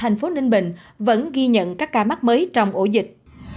cô ninh bình vẫn ghi nhận các ca mắc mới trong ổ dịch